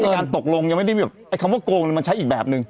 การตกลงยังไม่ได้แบบไอ้คำว่าโกงมันใช้อีกแบบนึง